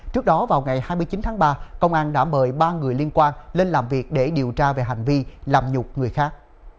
trước đó vào ngày hai mươi chín tháng ba công an đã mời ba người liên quan lên làm việc để điều tra về hành vi làm nhục người khác